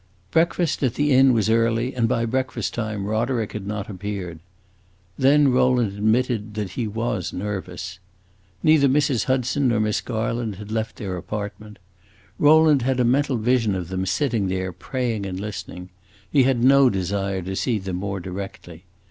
Breakfast, at the inn, was early, and by breakfast time Roderick had not appeared. Then Rowland admitted that he was nervous. Neither Mrs. Hudson nor Miss Garland had left their apartment; Rowland had a mental vision of them sitting there praying and listening; he had no desire to see them more directly.